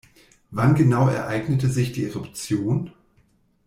Wann genau ereignete sich die Eruption?